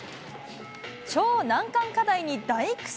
超難関課題に大苦戦。